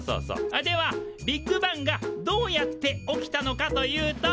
あっではビッグバンがどうやって起きたのかというと。